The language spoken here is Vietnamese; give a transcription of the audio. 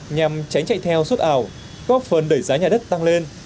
nhằm tránh chạy theo xuất ảo góp phần đẩy giá nhà đất tăng lên